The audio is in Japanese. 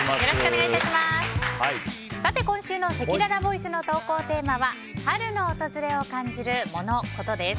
さて、今週のせきららボイスの投稿テーマは春の訪れを感じるモノ・コトです。